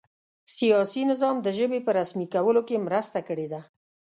سیاسي نظام د ژبې په رسمي کولو کې مرسته کړې ده.